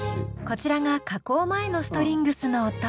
こちらが加工前のストリングスの音。